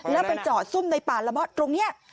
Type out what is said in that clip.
และการจ่อซุ่มในป่าละม่อตของตรงนี้